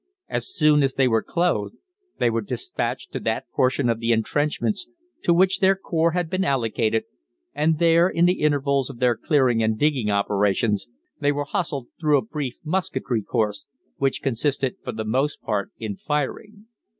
As soon as they were clothed, they were despatched to that portion of the entrenchments to which their corps had been allocated, and there, in the intervals of their clearing and digging operations, they were hustled through a brief musketry course, which consisted for the most part in firing.